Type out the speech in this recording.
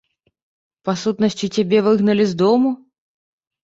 Па-сутнасці, цябе выгналі з дому?